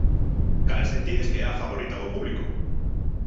Cal sentides que é a favorita do público?